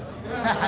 terus sekarang bukan